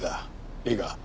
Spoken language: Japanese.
いいか？